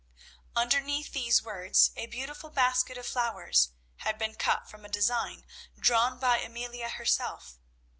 Underneath these words a beautiful basket of flowers had been cut from a design drawn by Amelia herself.